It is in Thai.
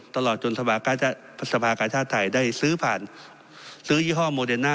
ตลอดจนสภากาชาติไทยได้ซื้อผ่านซื้อยี่ห้อโมเดน่า